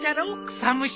草むしり。